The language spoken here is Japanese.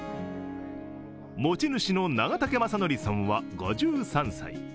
持ち主の長竹真典さんは５３歳。